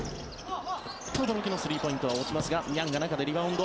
轟のスリーポイントは落ちますがニャンが中でリバウンド。